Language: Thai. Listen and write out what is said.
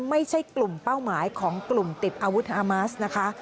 ไม่ใช่กลุ่มเป้าหมายของกลุ่มติดอาวุธอามัสนะคะ